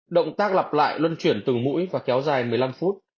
động tác lặp lại luân chuyển từ mũi và kéo dài một mươi năm phút